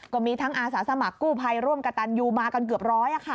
ก็มีทั้งอาสาสมัครกู้ภัยร่วมกับตันยูมากันเกือบร้อย